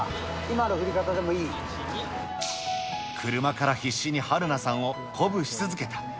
車から必死に、はるなさんを鼓舞し続けた。